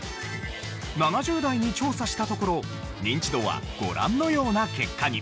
７０代に調査したところニンチドはご覧のような結果に。